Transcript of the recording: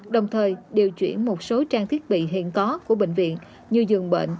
đồng thời điều chuyển một số trang thiết bị hiện có của bệnh viện như giường bệnh